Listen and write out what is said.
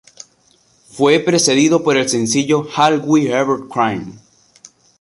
Fue precedido por el sencillo ""All We Ever Knew"".